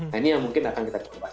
nah ini yang mungkin akan kita coba